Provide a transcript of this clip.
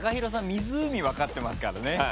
湖分かってますからね。